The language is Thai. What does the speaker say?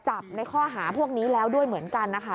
จับในข้อหาพวกนี้แล้วด้วยเหมือนกันนะคะ